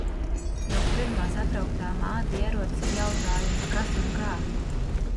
Jau pirmā satrauktā māte ierodas ar jautājumu, kas un kā.